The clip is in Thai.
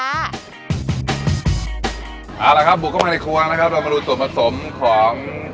เอาละครับบุกเข้ามาในครัวนะครับเรามาดูส่วนผสมของ